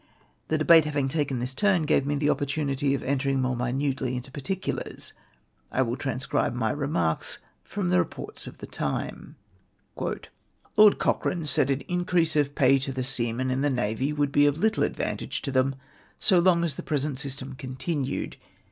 The debate having taken this turn gave me the oppor tunity of entermg more minutely into particulars. I will transcribe my remarks fi'om the reports of the time :—" Lord Cochrane said an inc rease of pay to the seamen in tlie navy would 1)6 of little advantage to them, so long as the present system continued.